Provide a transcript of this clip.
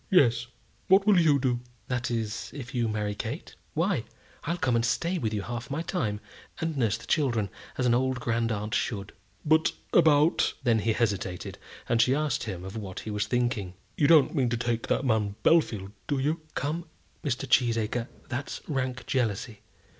"Yes; what will you do?" "That is, if you marry Kate? Why, I'll come and stay with you half my time, and nurse the children, as an old grand aunt should." "But about ." Then he hesitated, and she asked him of what he was thinking. "You don't mean to take that man Bellfield, do you?" "Come, Mr. Cheesacre, that's rank jealousy.